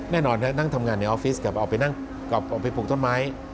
แน่นอนนั่งทำงานในออฟฟิศกับออกไปปลูกต้นไม้